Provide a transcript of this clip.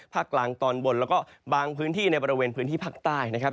กลางตอนบนแล้วก็บางพื้นที่ในบริเวณพื้นที่ภาคใต้นะครับ